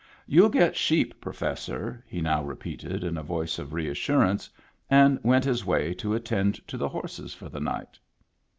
"Youll get sheep. Professor," he now repeated in a voice of reassurance, and went his way to attend to the horses for the night.